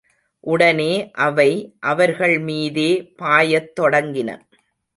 உடனே அவை அவர்கள்மீதே பாயத் தொடங்கின.